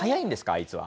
あいつは。